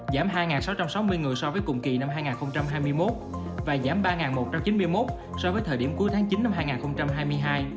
giảm hai sáu trăm sáu mươi người so với cùng kỳ năm hai nghìn hai mươi một và giảm ba một trăm chín mươi một so với thời điểm cuối tháng chín năm hai nghìn hai mươi hai